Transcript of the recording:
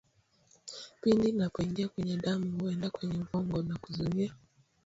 pindi inapoingia kwenye damu huenda kwenye ubongo na kuzuia